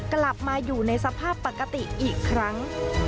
กลับมาอยู่ในสภาพปกติอีกครั้ง